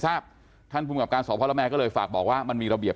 ทราบท่านภูมิกับการสพละแม่ก็เลยฝากบอกว่ามันมีระเบียบ